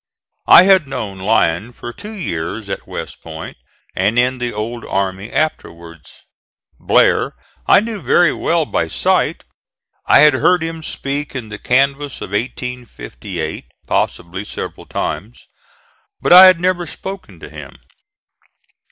I had known Lyon for two years at West Point and in the old army afterwards. Blair I knew very well by sight. I had heard him speak in the canvass of 1858, possibly several times, but I had never spoken to him.